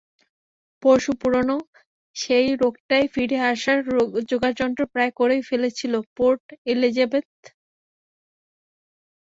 পরশু পুরোনো সেই রোগটাই ফিরে আসার জোগাড়যন্ত্র প্রায় করেই ফেলেছিল পোর্ট এলিজাবেথে।